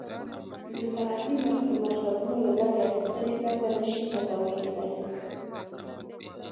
د صنعتي مرکبونو له ګټې اخیستنې پرته نه شي تصور کیدای.